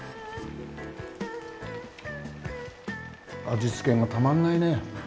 味付けがたまんないね！